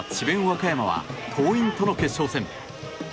和歌山は桐蔭との決勝戦。